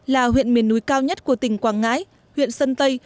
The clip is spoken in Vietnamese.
là huyện miền núi cao nhất của tỉnh quảng ngãi huyện sơn tây